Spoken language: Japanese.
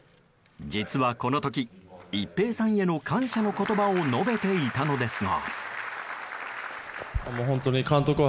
実はこの時、一平さんへの感謝の言葉を述べていたのですが。